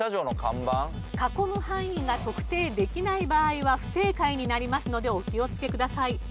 囲む範囲が特定できない場合は不正解になりますのでお気をつけください。